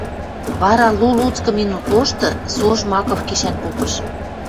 вара лу-луцкы минут лошты со Жмаков гишӓн попыш.